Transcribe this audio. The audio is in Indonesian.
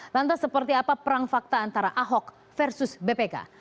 lantas seperti apa perang fakta antara ahok versus bpk